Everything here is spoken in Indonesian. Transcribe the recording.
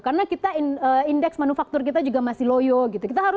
karena kita indeks manufaktur kita juga masih loyo gitu